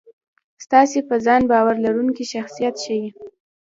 ستاسې په ځان باور لرونکی شخصیت ښي.